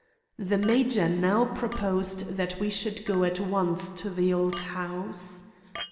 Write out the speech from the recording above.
The major now proposed that we should go at once to the old house.